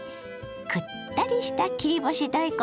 くったりした切り干し大根